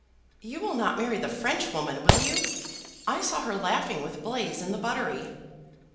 "You will not marry the French woman, will you? I saw her laughing with Blaise in the buttery."